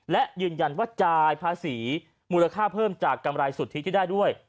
และยืนยันว่าจ่ายภาษีมูลค่าเพิ่มจากกำไรสุทธิที่ได้ด้วย